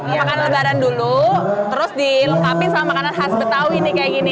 mau makan lebaran dulu terus dilengkapi sama makanan khas betawi nih kayak gini